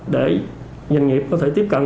để doanh nghiệp có thể tiếp cận